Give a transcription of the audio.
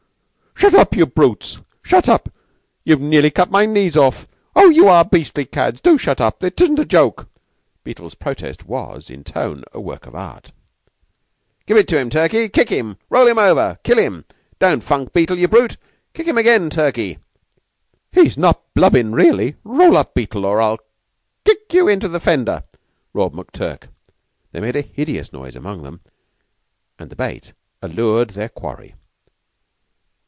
"Shut up, you brutes! Let me up! You've nearly cut my knees off. Oh, you are beastly cads! Do shut up. 'Tisn't a joke!" Beetle's protest was, in tone, a work of art. "Give it to him, Turkey! Kick him! Roll him over! Kill him! Don't funk, Beetle, you brute. Kick him again, Turkey." "He's not blubbin' really. Roll up, Beetle, or I'll kick you into the fender," roared McTurk. They made a hideous noise among them, and the bait allured their quarry.